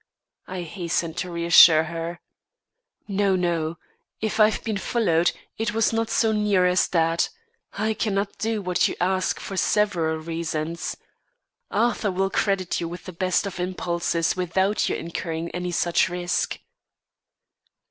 I hastened to reassure her. "No, no. If I've been followed, it was not so near as that. I cannot do what you ask for several reasons. Arthur will credit you with the best of impulses without your incurring any such risk."